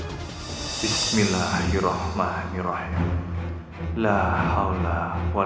jangan sekali sekali kalian coba untuk mengelabui